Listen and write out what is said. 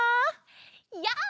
やあ！